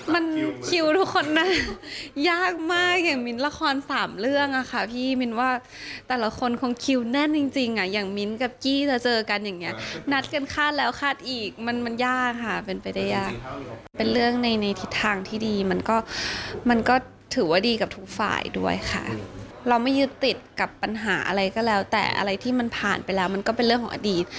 มันคิวทุกคนน่ะยากมากอย่างมิ้นละครสามเรื่องอะค่ะพี่มิ้นว่าแต่ละคนคงคิวแน่นจริงจริงอ่ะอย่างมิ้นกับกี้จะเจอกันอย่างเงี้นัดกันคาดแล้วคาดอีกมันมันยากค่ะเป็นไปได้ยากเป็นเรื่องในในทิศทางที่ดีมันก็มันก็ถือว่าดีกับทุกฝ่ายด้วยค่ะเราไม่ยึดติดกับปัญหาอะไรก็แล้วแต่อะไรที่มันผ่านไปแล้วมันก็เป็นเรื่องของอดีต